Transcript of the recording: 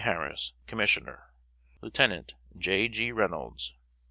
HARRIS, Commissioner. Lieut. J. G. REYNOLDS."